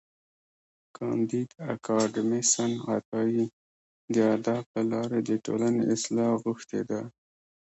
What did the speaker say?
کانديد اکاډميسن عطایي د ادب له لارې د ټولني اصلاح غوښتې ده.